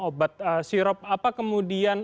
obat sirup apa kemudian